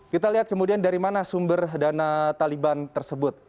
kita lihat kemudian dari mana sumber dana taliban tersebut